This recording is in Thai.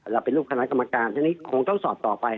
เราเป็นลูกคณะกรรมการทีนี้คงต้องสอบต่อไป